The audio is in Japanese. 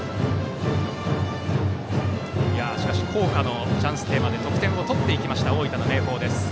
校歌のチャンステーマで得点を取っていった大分の明豊です。